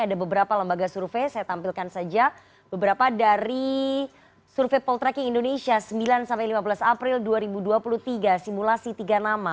ada beberapa lembaga survei saya tampilkan saja beberapa dari survei poltreking indonesia sembilan lima belas april dua ribu dua puluh tiga simulasi tiga nama